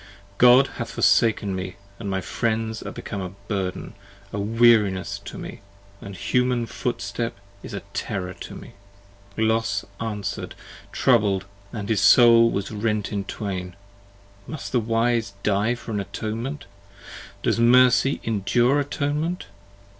God hath forsaken me, & my friends are become a burden, A weariness to me, & the human footstep is a terror to me. ^S Los answered, troubled, and his soul was rent in twain : 25 Must the Wise die for an Atonement? does Mercy endure Atonement?